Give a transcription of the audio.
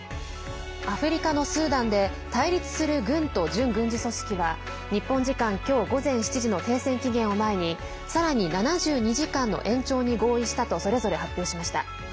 アフリカのスーダンで対立する軍と準軍事組織は日本時間、今日午前７時の停戦期限を前にさらに７２時間の延長に合意したとそれぞれ発表しました。